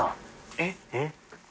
えっ？